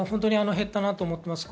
減ったなと思います。